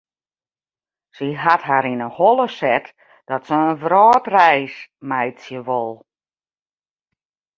Sy hat har yn 'e holle set dat se in wrâldreis meitsje wol.